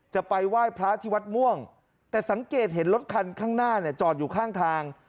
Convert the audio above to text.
จะไปไหว้พระที่วัดม่วงแต่สังเกตเห็นรถคันข้างหน้าเนี่ยจอดอยู่ข้างทาง